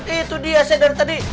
itu dia saya bilang tadi